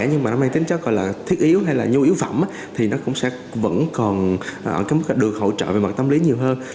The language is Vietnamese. những cái kiến trắc gọi là thiết yếu hay là nhu yếu phẩm thì nó cũng sẽ vẫn còn được hỗ trợ về mặt tâm lý nhiều hơn